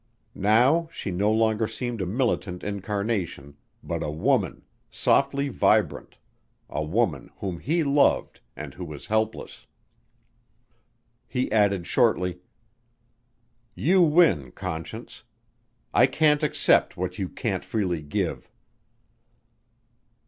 Now she no longer seemed a militant incarnation, but a woman, softly vibrant: a woman whom he loved and who was helpless. He added shortly: "You win, Conscience. I can't accept what you can't freely give."